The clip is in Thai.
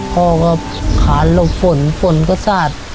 พ่อก็ขานหลบฝนฝนก็สาด